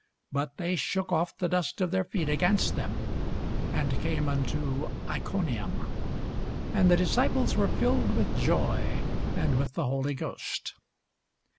But they shook off the dust of their feet against them, and came unto Iconium. And the disciples were filled with joy, and with the Holy Ghost.